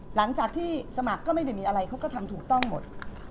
หลังจากที่สมัครก็ไม่ได้มีอะไรเขาก็ทำถูกต้องหมด